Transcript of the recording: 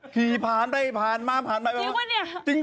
ขีพ้านไปง้ามพ้านไปจริง